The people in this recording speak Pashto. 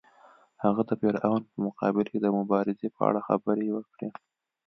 هغه د فرعون په مقابل کې د مبارزې په اړه خبرې وکړې.